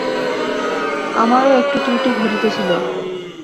আমারও একটু ত্রুটি ঘটিতেছিল।